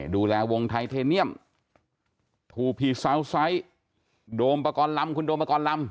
ดูแลวงไทเทเนียมทูพีซาวไซส์โดมปกรณ์ลำคุณโดมกรลำ